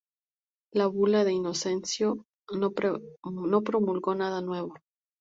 La Bula de Inocencio no promulgó nada nuevo.